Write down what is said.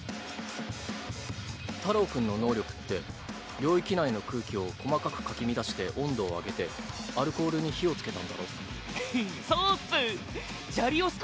太朗君の能力って領域内の空気を細かくかき乱して温度を上げてアルコールに火をつけたんだろ？へへっそうっす。